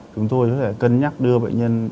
chúng tôi sẽ cân nhắc đưa bệnh nhân